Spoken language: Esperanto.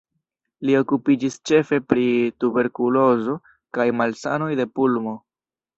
Li okupiĝis ĉefe pri tuberkulozo kaj malsanoj de pulmo.